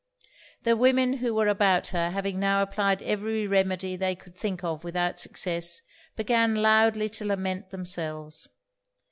The women who were about her having now applied every remedy they could think of without success, began loudly to lament themselves.